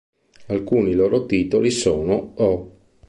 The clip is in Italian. Alcuni loro titoli sono: "Oh!